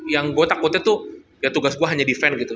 yang gue takutnya tuh ya tugas gue hanya defense gitu